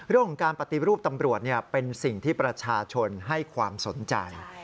เรื่องของการปฏิรูปตำรวจเป็นสิ่งที่ประชาชนให้ความสนใจ